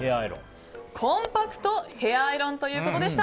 コンパクトヘアアイロンということでした。